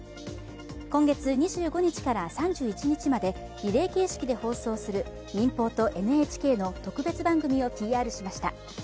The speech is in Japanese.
今月２５日から３１日までリレー形式で放送する民放とＮＨＫの特別番組をＰＲしました。